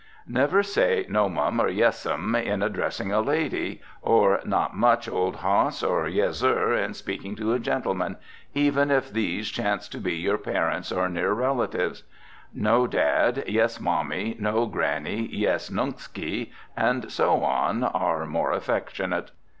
Never say "No, mum" or "Yessum," in addressing a lady, or "Not much, old hoss," or "yezzur," in speaking to a gentleman, even if these chance to be your parents or near relatives. "No, dad," "Yes, mommy," "No, granny," "Yes, nunksy," and so on, are more affectionate.